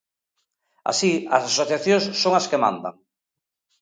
Así, as asociacións son as que mandan.